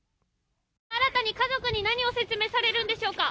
新たに家族に何を説明されるんでしょうか。